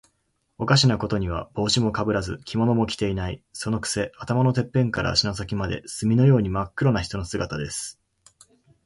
おかしなことには、帽子もかぶらず、着物も着ていない。そのくせ、頭のてっぺんから足の先まで、墨のようにまっ黒な人の姿です。